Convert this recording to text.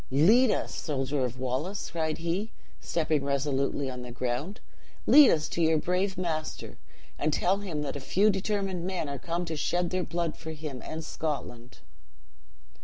Lead us, soldier of Wallace,' cried he, stepping resolutely on the ground, 'lead us to your brave master; and tell him that a few determined men are come to shed their blood for him and Scotland.'